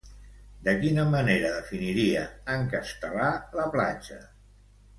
De quina manera definiria, en Castelar, la platja?